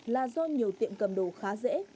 là do nhiều tiệm cầm đồ khá dễ